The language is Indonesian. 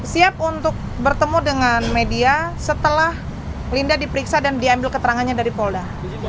siap untuk bertemu dengan media setelah linda diperiksa dan diambil keterangannya dari polda